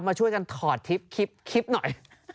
มาช่วยกันถอดทริปหน่อย